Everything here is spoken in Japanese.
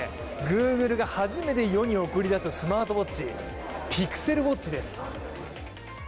グーグルが初めて世に送り出すスマートウォッチ、ピクセルウォッチです。